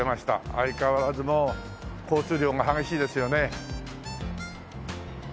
相変わらず交通量が激しいですよね。